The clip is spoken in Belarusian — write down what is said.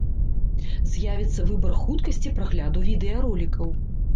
З'явіцца выбар хуткасці прагляду відэаролікаў.